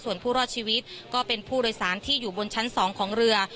ส่วนผู้รอดชีวิตก็เป็นผู้โดยสารที่อยู่บนชั้น๒ของเรือ